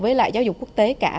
với lại giáo dục quốc tế cả